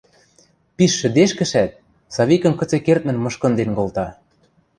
Пиш шӹдешкӹшӓт, Савикӹм кыце-кердмӹн мышкынден колта.